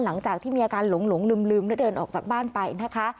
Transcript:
หลังจากที่มีอาการหลงลืมและเดินออกจากบ้านไปนะคะ